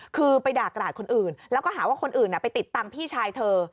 คือไปด่ากราดคนอื่นแล้วก็หาว่าคนอื่นไปติดตังค์พี่ชายเธอ